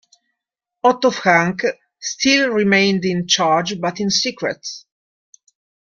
Otto Frank still remained in charge but in secret.